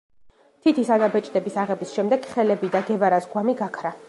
თითის ანაბეჭდების აღების შემდეგ, ხელები და გევარას გვამი გაქრა.